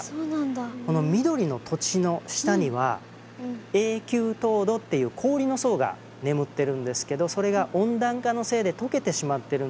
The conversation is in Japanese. この緑の土地の下には永久凍土っていう氷の層が眠ってるんですけどそれが温暖化のせいでとけてしまってるんですね。